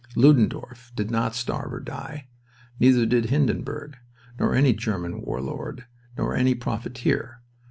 Ludendorff did not starve or die. Neither did Hindenburg, nor any German war lord, nor any profiteer.